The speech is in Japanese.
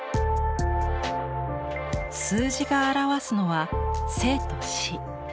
数字が表すのは生と死。